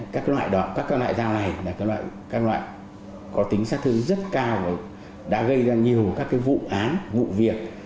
các loại dao này là các loại có tính sát thương rất cao và đã gây ra nhiều các vụ án vụ việc